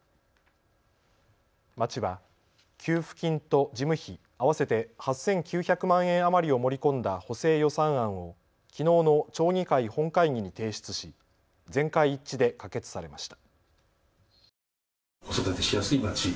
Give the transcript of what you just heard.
町は給付金と事務費、合わせて８９００万円余りを盛り込んだ補正予算案をきのうの町議会本会議に提出し全会一致で可決されました。